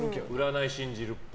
占い信じる？